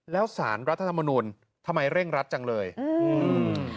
แล้วสารรัฐธรรมนูลทำไมเร่งรัดจังเลยอืม